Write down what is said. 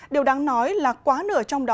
điều đáng nói là quá nửa trong đó